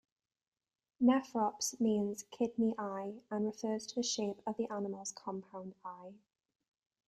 "Nephrops" means "kidney eye" and refers to the shape of the animal's compound eye.